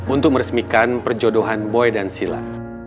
untuk meresmikan perjodohan boy dan sila